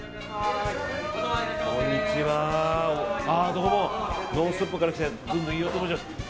どうも「ノンストップ！」から来たずんの飯尾と申します。